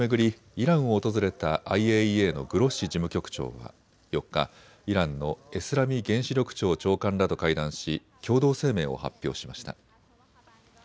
イランを訪れたＩＡＥＡのグロッシ事務局長は４日、イランのエスラミ原子力庁長官らと会談し共同声明を発表しました。